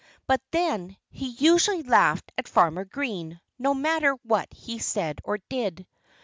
But then, he usually laughed at Farmer Green, no matter what he said or did.